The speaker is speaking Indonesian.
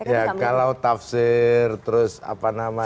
ya kalau tafsir terus apa nama